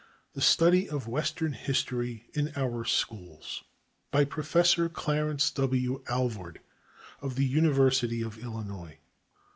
The Study of Western History in Our Schools BY PROFESSOR CLARENCE W. ALVORD, OF THE UNIVERSITY OF ILLINOIS.